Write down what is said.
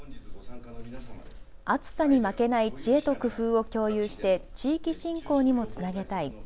暑さに負けない知恵と工夫を共有して地域振興にもつなげたい。